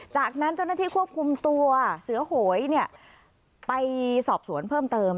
จากนั้นเจ้าหน้าที่ควบคุมตัวเสือโหยไปสอบสวนเพิ่มเติม